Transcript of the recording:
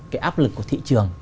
cái áp lực của thị trường